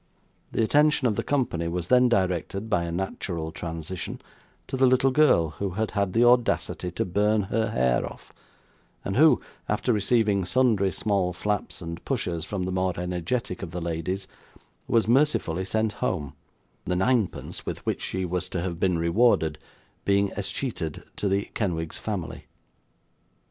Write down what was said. The attention of the company was then directed, by a natural transition, to the little girl who had had the audacity to burn her hair off, and who, after receiving sundry small slaps and pushes from the more energetic of the ladies, was mercifully sent home: the ninepence, with which she was to have been rewarded, being escheated to the Kenwigs family.